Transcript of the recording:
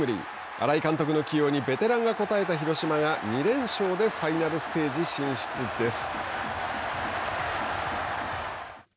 新井監督の起用にベテランが応えた広島が２連勝でファイナルステージ進出です。